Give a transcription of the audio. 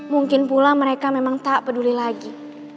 mungkin pula mereka memang tak peduli lagi